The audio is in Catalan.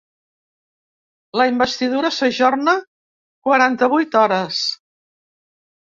La investidura s’ajorna quaranta-vuit hores.